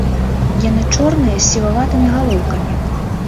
Яны чорныя з сіваватымі галоўкамі.